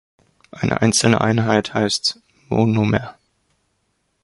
Eine einzelne Einheit heißt Monomer.